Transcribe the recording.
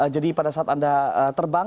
jadi pada saat anda terbang